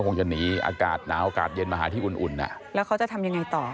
คงจะหนีอากาศหนาวอากาศเย็นมาหาที่อุ่นอุ่นอ่ะแล้วเขาจะทำยังไงต่อ